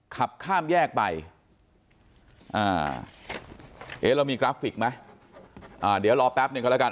ขับข้ามแยกไปเอ๊ะเรามีกราฟิกไหมเดี๋ยวรอแป๊บหนึ่งก็แล้วกัน